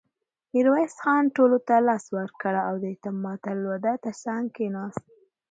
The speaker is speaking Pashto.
ميرويس خان ټولو ته لاس ورکړ او د اعتماد الدوله تر څنګ کېناست.